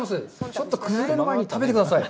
ちょっと崩れる前に食べてください。